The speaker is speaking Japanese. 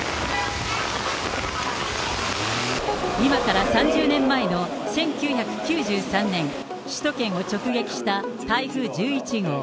今から３０年前の１９９３年、首都圏を直撃した台風１１号。